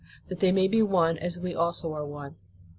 that they may be one as we also are one.